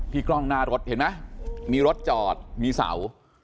ที่กล้องหน้ารถเห็นมะมีรถจอดมีเสริฎ